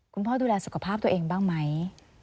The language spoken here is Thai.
คุณพ่อดูแลสุขภาพตัวเองบ้างไหม